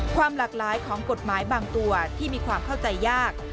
ความหลากหลายของกฎหมายบางตัวที่มีความเข้าใจยาก